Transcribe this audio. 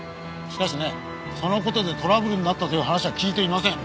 しかしねその事でトラブルになったという話は聞いていません。